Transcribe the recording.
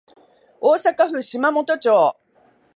大阪府島本町